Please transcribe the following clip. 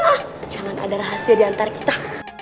ah jangan ada rahasia diantara kita